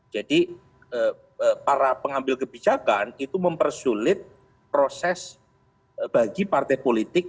jadi para pengambil kebijakan itu mempersulit proses bagi partai politik